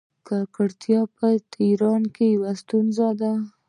ککړتیا په تهران کې یوه ستونزه ده.